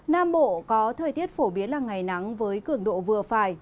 nam bộ có thời tiết phổ biến là ngày nắng với cường độ vừa phải